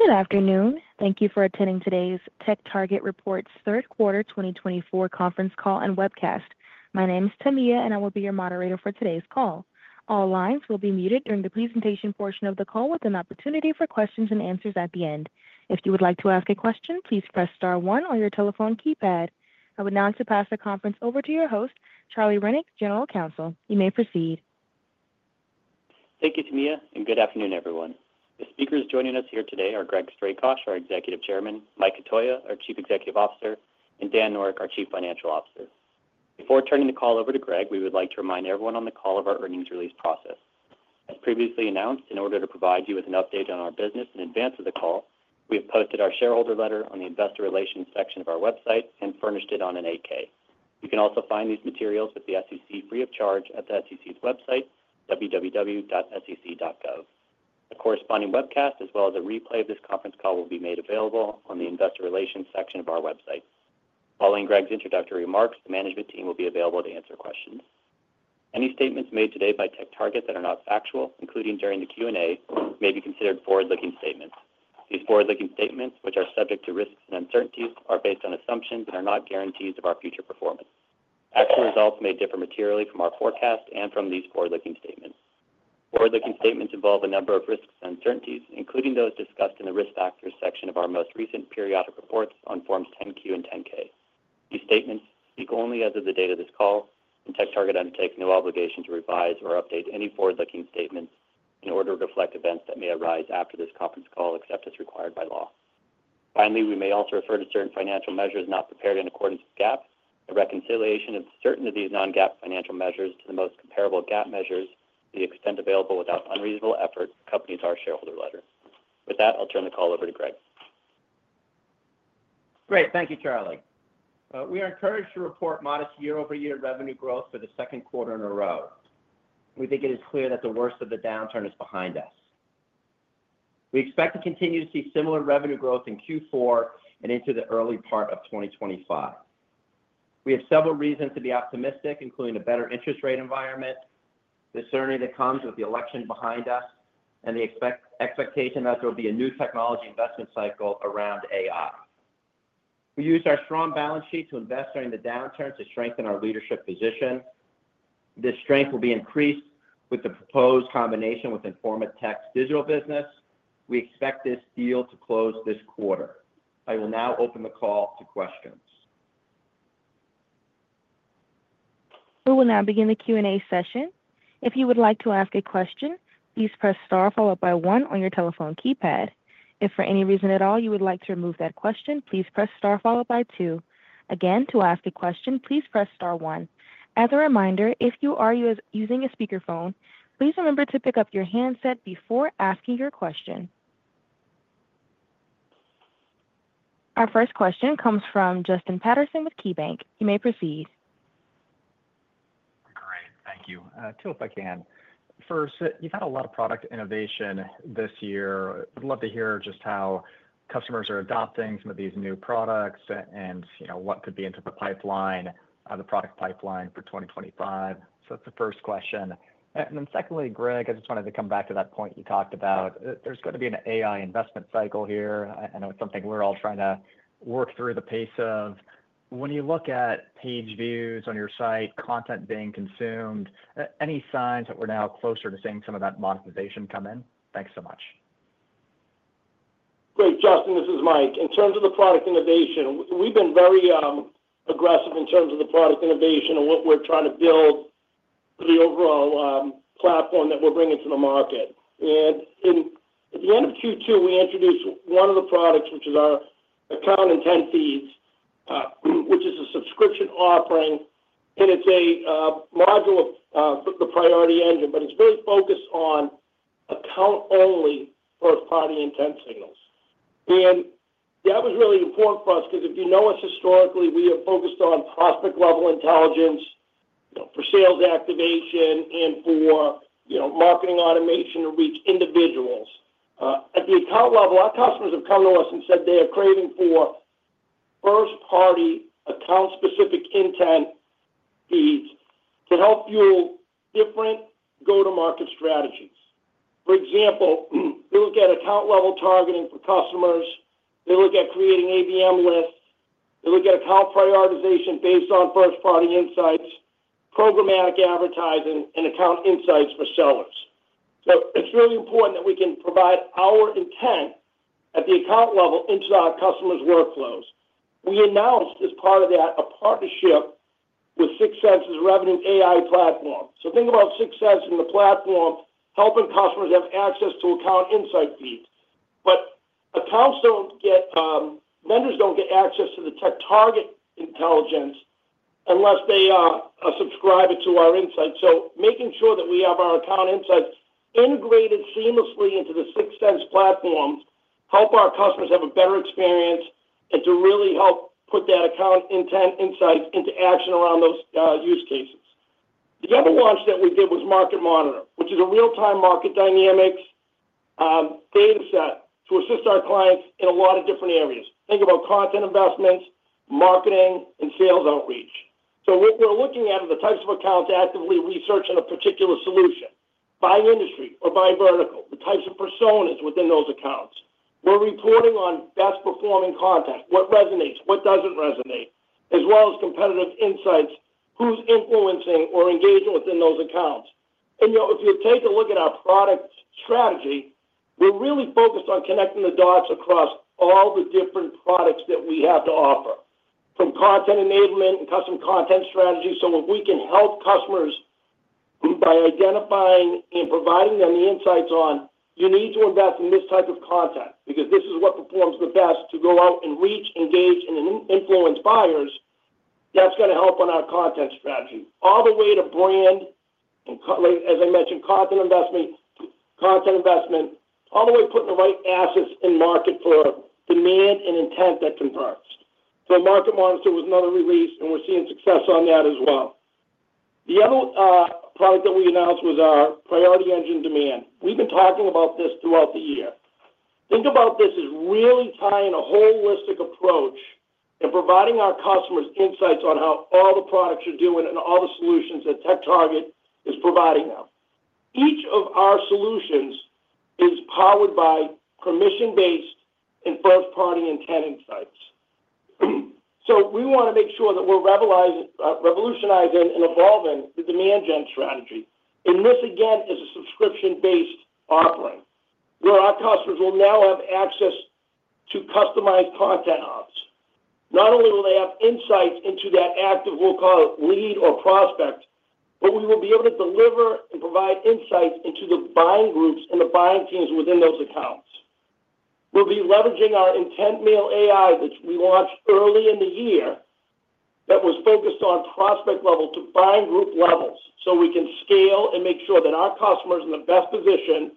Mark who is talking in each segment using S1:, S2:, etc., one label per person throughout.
S1: Good afternoon. Thank you for attending today's TechTarget Reports Q3 2024 Conference Call and Webcast. My name is Tamia, and I will be your moderator for today's call. All lines will be muted during the presentation portion of the call with an opportunity for questions and answers at the end. If you would like to ask a question, please press star one on your telephone keypad. I would now like to pass the conference over to your host, Charlie Rennick, General Counsel. You may proceed.
S2: Thank you, Tamia, and good afternoon, everyone. The speakers joining us here today are Greg Strakosch, our Executive Chairman, Mike Cotoia, our Chief Executive Officer, and Dan Noreck, our Chief Financial Officer. Before turning the call over to Greg, we would like to remind everyone on the call of our earnings release process. As previously announced, in order to provide you with an update on our business in advance of the call, we have posted our shareholder letter on the investor relations section of our website and furnished it on an 8-K. You can also find these materials with the SEC free of charge at the SEC's website, www.sec.gov. A corresponding webcast, as well as a replay of this conference call, will be made available on the investor relations section of our website. Following Greg's introductory remarks, the management team will be available to answer questions. Any statements made today by TechTarget that are not factual, including during the Q&A, may be considered forward-looking statements. These forward-looking statements, which are subject to risks and uncertainties, are based on assumptions and are not guarantees of our future performance. Actual results may differ materially from our forecast and from these forward-looking statements. Forward-looking statements involve a number of risks and uncertainties, including those discussed in the risk factors section of our most recent periodic reports on forms 10-Q and 10-K. These statements speak only as of the date of this call, and TechTarget undertakes no obligation to revise or update any forward-looking statements in order to reflect events that may arise after this conference call, except as required by law. Finally, we may also refer to certain financial measures not prepared in accordance with GAAP. The reconciliation of certain of these non-GAAP financial measures to the most comparable GAAP measures, to the extent available without unreasonable effort, accompanies our shareholder letter. With that, I'll turn the call over to Greg.
S3: Great. Thank you, Charlie. We are encouraged to report modest year-over-year revenue growth for the Q2 in a row. We think it is clear that the worst of the downturn is behind us. We expect to continue to see similar revenue growth in Q4 and into the early part of 2025. We have several reasons to be optimistic, including a better interest rate environment, the certainty that comes with the election behind us, and the expectation that there will be a new technology investment cycle around AI. We used our strong balance sheet to invest during the downturn to strengthen our leadership position. This strength will be increased with the proposed combination with Informa Tech digital business. We expect this deal to close this quarter. I will now open the call to questions.
S1: We will now begin the Q&A session. If you would like to ask a question, please press star followed by one on your telephone keypad. If for any reason at all you would like to remove that question, please press star followed by two. Again, to ask a question, please press star one. As a reminder, if you are using a speakerphone, please remember to pick up your handset before asking your question. Our first question comes from Justin Patterson with KeyBanc. You may proceed.
S4: Great. Thank you. Two, if I can. First, you've had a lot of product innovation this year. I'd love to hear just how customers are adopting some of these new products and what could be into the product pipeline for 2025. So that's the first question. And then secondly, Greg, I just wanted to come back to that point you talked about. There's going to be an AI investment cycle here. I know it's something we're all trying to work through the pace of. When you look at page views on your site, content being consumed, any signs that we're now closer to seeing some of that monetization come in? Thanks so much.
S5: Great. Justin, this is Mike. In terms of the product innovation, we've been very aggressive in terms of the product innovation and what we're trying to build for the overall platform that we're bringing to the market. At the end of Q2, we introduced one of the products, which is our Account Intent Feeds, which is a subscription offering. It's a module of the Priority Engine, but it's very focused on account-only first-party intent signals. That was really important for us because if you know us historically, we have focused on prospect-level intelligence for sales activation and for marketing automation to reach individuals. At the account level, our customers have come to us and said they are craving for first-party account-specific intent feeds to help fuel different go-to-market strategies. For example, they look at account-level targeting for customers. They look at creating ABM lists. They look at account prioritization based on first-party insights, programmatic advertising, and account insights for sellers. So it's really important that we can provide our intent at the account level into our customers' workflows. We announced as part of that a partnership with 6sense Revenue AI platform. So think about 6sense and the platform helping customers have access to account insight feeds. But vendors don't get access to the TechTarget intelligence unless they subscribe to our insights. So making sure that we have our account insights integrated seamlessly into the 6sense platform helps our customers have a better experience and to really help put that account intent insight into action around those use cases. The other launch that we did was Market Monitor, which is a real-time market dynamics data set to assist our clients in a lot of different areas. Think about content investments, marketing, and sales outreach. So what we're looking at are the types of accounts actively researching a particular solution, buying industry or buying vertical, the types of personas within those accounts. We're reporting on best-performing content, what resonates, what doesn't resonate, as well as competitive insights, who's influencing or engaging within those accounts. And if you take a look at our product strategy, we're really focused on connecting the dots across all the different products that we have to offer, from content enablement and custom content strategy. So if we can help customers by identifying and providing them the insights on, "You need to invest in this type of content because this is what performs the best to go out and reach, engage, and influence buyers," that's going to help on our content strategy. All the way to brand and, as I mentioned, content investment, all the way to putting the right assets in market for demand and intent that converts. So Market Monitor was another release, and we're seeing success on that as well. The other product that we announced was our Priority Engine Demand. We've been talking about this throughout the year. Think about this as really tying a holistic approach and providing our customers insights on how all the products are doing and all the solutions that TechTarget is providing them. Each of our solutions is powered by permission-based and first-party intent insights. So we want to make sure that we're revolutionizing and evolving the demand gen strategy. And this, again, is a subscription-based offering where our customers will now have access to customized Content Offers. Not only will they have insights into that active, we'll call it lead or prospect, but we will be able to deliver and provide insights into the buying groups and the buying teams within those accounts. We'll be leveraging our IntentMail AI, which we launched early in the year, that was focused on prospect level to buying group levels so we can scale and make sure that our customers are in the best position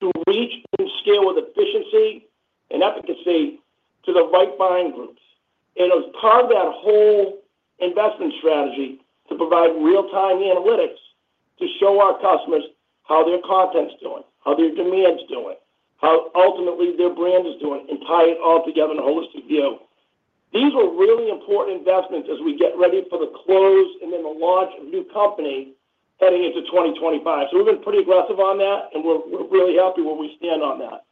S5: to reach and scale with efficiency and efficacy to the right buying groups, and it's part of that whole investment strategy to provide real-time analytics to show our customers how their content's doing, how their demand's doing, how ultimately their brand is doing, and tie it all together in a holistic view. These are really important investments as we get ready for the close and then the launch of a new company heading into 2025. So we've been pretty aggressive on that, and we're really happy where we stand on that.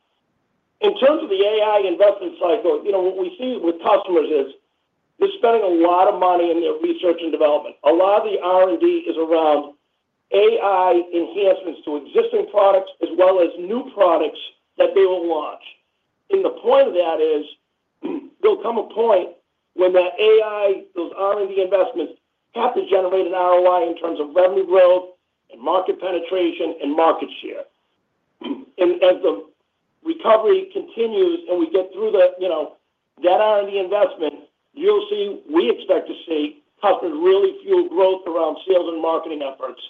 S5: In terms of the AI investment cycle, what we see with customers is they're spending a lot of money in their research and development. A lot of the R&D is around AI enhancements to existing products as well as new products that they will launch. And the point of that is there'll come a point when those R&D investments have to generate an ROI in terms of revenue growth and market penetration and market share. And as the recovery continues and we get through that R&D investment, we expect to see customers really fuel growth around sales and marketing efforts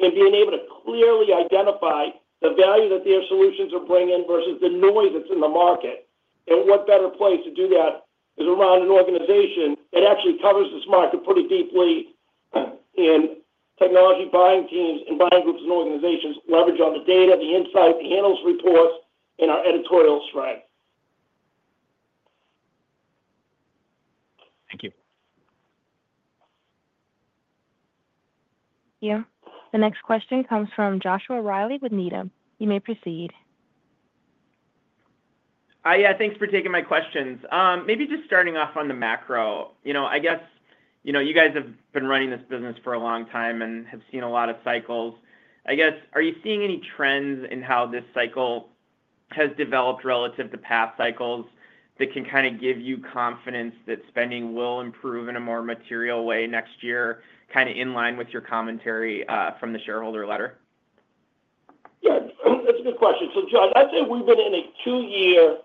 S5: and being able to clearly identify the value that their solutions are bringing versus the noise that's in the market. What better place to do that is around an organization that actually covers this market pretty deeply, and technology buying teams and buying groups and organizations leverage on the data, the insight, the analyst reports, and our editorial strength.
S4: Thank you.
S1: Thank you. The next question comes from Joshua Reilly with Needham. You may proceed.
S6: Hi, yeah. Thanks for taking my questions. Maybe just starting off on the macro. I guess you guys have been running this business for a long time and have seen a lot of cycles. I guess, are you seeing any trends in how this cycle has developed relative to past cycles that can kind of give you confidence that spending will improve in a more material way next year, kind of in line with your commentary from the shareholder letter?
S5: Yes. That's a good question. So I'd say we've been in a two-year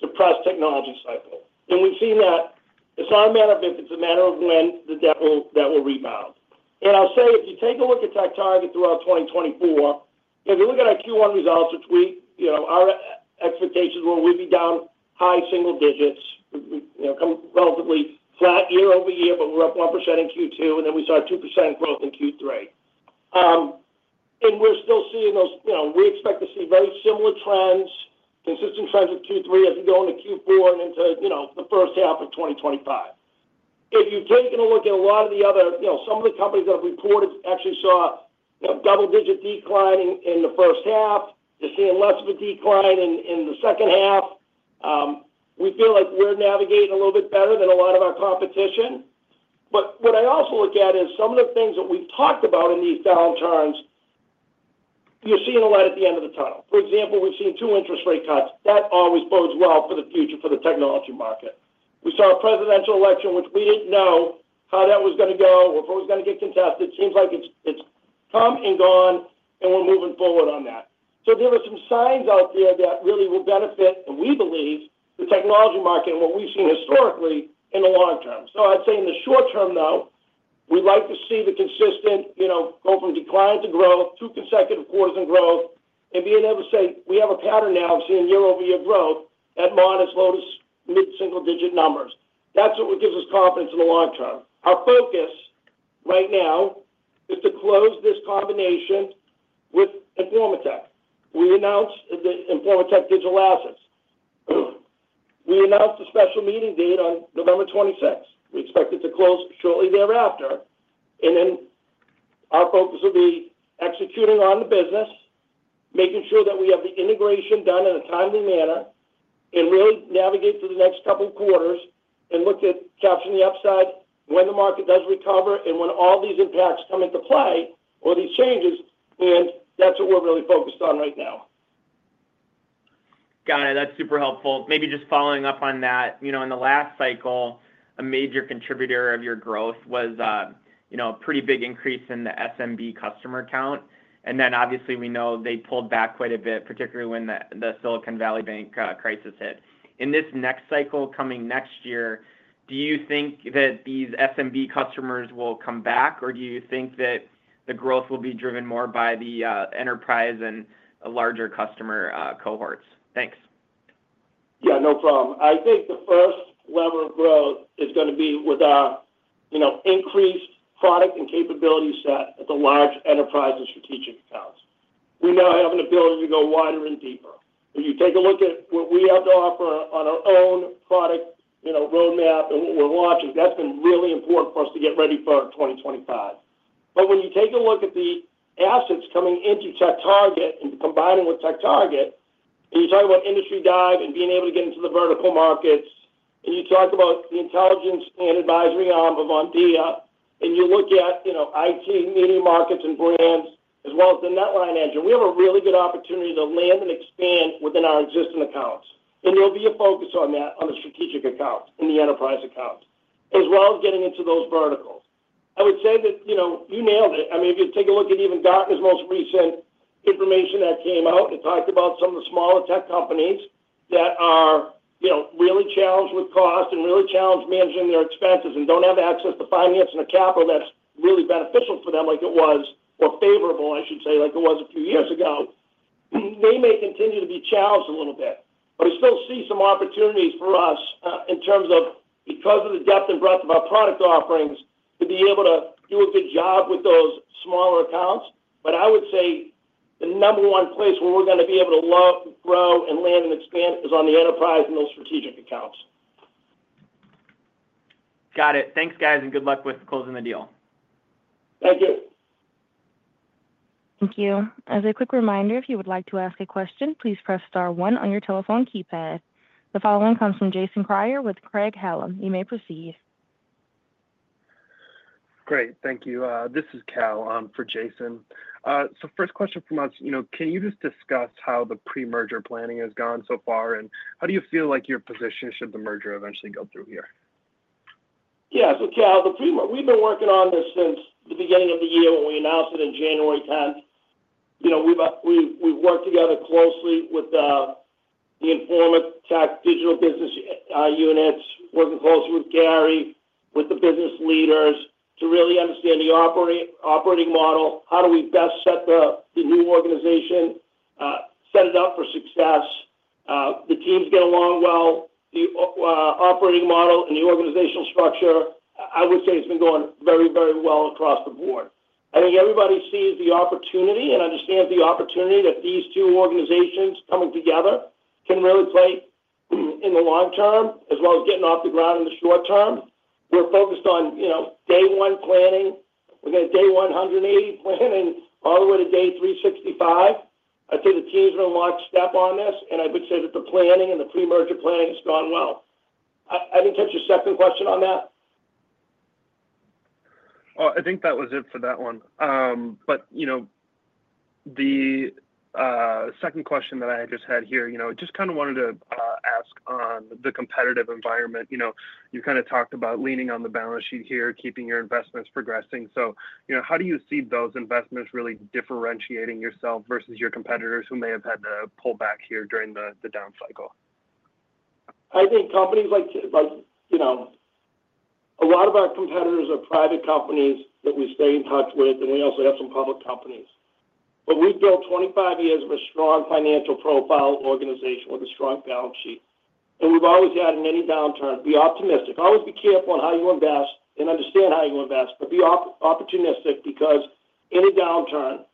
S5: depressed technology cycle. And we've seen that. It's not a matter of if. It's a matter of when that will rebound. And I'll say if you take a look at TechTarget throughout 2024, if you look at our Q1 results, our expectations were we'd be down high single digits, relatively flat year over year, but we're up 1% in Q2, and then we saw a 2% growth in Q3. And we're still seeing those we expect to see very similar trends, consistent trends with Q3 as we go into Q4 and into the first half of 2025. If you've taken a look at a lot of the other some of the companies that have reported actually saw double-digit decline in the first half. You're seeing less of a decline in the second half. We feel like we're navigating a little bit better than a lot of our competition. But what I also look at is some of the things that we've talked about in these downturns, you're seeing a lot at the end of the tunnel. For example, we've seen two interest rate cuts. That always bodes well for the future for the technology market. We saw a presidential election, which we didn't know how that was going to go or if it was going to get contested. Seems like it's come and gone, and we're moving forward on that. So there were some signs out there that really will benefit, we believe, the technology market and what we've seen historically in the long term. So I'd say in the short term, though, we'd like to see the consistent go from decline to growth, two consecutive quarters in growth, and being able to say, "We have a pattern now of seeing year-over-year growth at modest, low to mid-single-digit numbers." That's what gives us confidence in the long term. Our focus right now is to close this combination with Informa Tech. We announced the Informa Tech digital assets. We announced a special meeting date on November 26th. We expect it to close shortly thereafter. And then our focus will be executing on the business, making sure that we have the integration done in a timely manner, and really navigate through the next couple of quarters and look at capturing the upside when the market does recover and when all these impacts come into play or these changes. And that's what we're really focused on right now.
S6: Got it. That's super helpful. Maybe just following up on that, in the last cycle, a major contributor of your growth was a pretty big increase in the SMB customer count. And then, obviously, we know they pulled back quite a bit, particularly when the Silicon Valley Bank crisis hit. In this next cycle coming next year, do you think that these SMB customers will come back, or do you think that the growth will be driven more by the enterprise and larger customer cohorts? Thanks.
S5: Yeah, no problem. I think the first level of growth is going to be with our increased product and capability set at the large enterprise and strategic accounts. We now have an ability to go wider and deeper. If you take a look at what we have to offer on our own product roadmap and what we're launching, that's been really important for us to get ready for 2025. But when you take a look at the assets coming into TechTarget and combining with TechTarget, and you talk about Industry Dive and being able to get into the vertical markets, and you talk about the intelligence and advisory arm of Omdia, and you look at IT, media markets, and brands, as well as the NetLine engine, we have a really good opportunity to land and expand within our existing accounts. And there'll be a focus on that on the strategic accounts and the enterprise accounts, as well as getting into those verticals. I would say that you nailed it. I mean, if you take a look at even Gartner's most recent information that came out, it talked about some of the smaller tech companies that are really challenged with cost and really challenged managing their expenses and don't have access to finance and the capital that's really beneficial for them like it was, or favorable, I should say, like it was a few years ago. They may continue to be challenged a little bit, but we still see some opportunities for us in terms of, because of the depth and breadth of our product offerings, to be able to do a good job with those smaller accounts. But I would say the number one place where we're going to be able to grow and land and expand is on the enterprise and those strategic accounts.
S6: Got it. Thanks, guys, and good luck with closing the deal.
S5: Thank you.
S1: Thank you. As a quick reminder, if you would like to ask a question, please press star one on your telephone keypad. The following comes from Jason Kreyer with Craig-Hallum. You may proceed.
S7: Great. Thank you. This is Cal for Jason. So first question from us, can you just discuss how the pre-merger planning has gone so far, and how do you feel like your position should the merger eventually go through here?
S5: Yeah. So, Cal, we've been working on this since the beginning of the year when we announced it on January 10th. We've worked together closely with the Informa Tech digital business units, working closely with Gary, with the business leaders to really understand the operating model, how do we best set the new organization, set it up for success, the teams get along well, the operating model and the organizational structure. I would say it's been going very, very well across the board. I think everybody sees the opportunity and understands the opportunity that these two organizations coming together can really play in the long term as well as getting off the ground in the short term. We're focused on day one planning. We're going to day 180 planning all the way to day 365. I'd say the teams are in a large step on this, and I would say that the planning and the pre-merger planning has gone well. I didn't catch your second question on that.
S7: I think that was it for that one. The second question that I just had here, I just kind of wanted to ask on the competitive environment. You kind of talked about leaning on the balance sheet here, keeping your investments progressing. How do you see those investments really differentiating yourself versus your competitors who may have had to pull back here during the down cycle?
S5: I think companies like a lot of our competitors are private companies that we stay in touch with, and we also have some public companies. But we've built 25 years of a strong financial profile organization with a strong balance sheet. And we've always had, in any downturn, be optimistic. Always be careful on how you invest and understand how you invest, but be opportunistic because any downturn,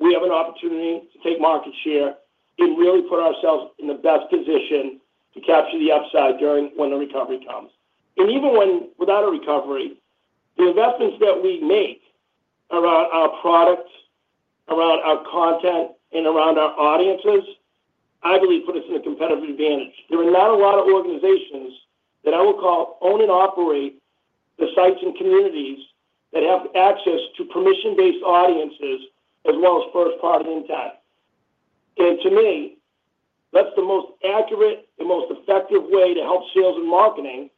S5: we have an opportunity to take market share and really put ourselves in the best position to capture the upside when the recovery comes. And even without a recovery, the investments that we make around our products, around our content, and around our audiences, I believe, put us in a competitive advantage. There are not a lot of organizations that I will call own and operate the sites and communities that have access to permission-based audiences as well as first-party intent. And to me, that's the most accurate and most effective way to help sales and marketing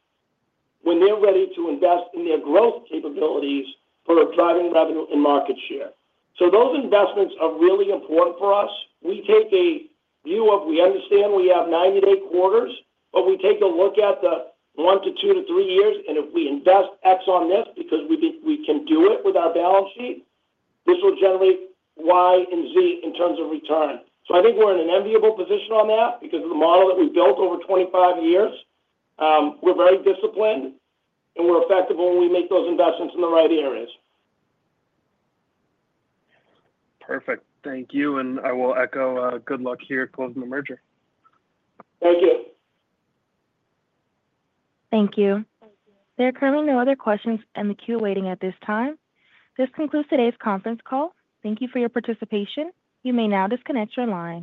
S5: when they're ready to invest in their growth capabilities for driving revenue and market share. So those investments are really important for us. We take a view of we understand we have 90-day quarters, but we take a look at the one to two to three years, and if we invest X on this because we can do it with our balance sheet, this will generate Y and Z in terms of return. So I think we're in an enviable position on that because of the model that we've built over 25 years. We're very disciplined, and we're effective when we make those investments in the right areas.
S7: Perfect. Thank you. And I will echo good luck here closing the merger.
S5: Thank you.
S1: Thank you. There are currently no other questions in the queue waiting at this time. This concludes today's conference call. Thank you for your participation. You may now disconnect your line.